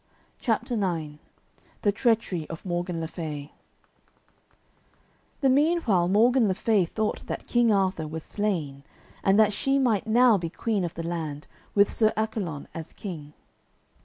CHAPTER IX THE TREACHERY OF MORGAN LE FAY The meanwhile Morgan le Fay thought that King Arthur was slain, and that she might now be queen of the land, with Sir Accolon as King.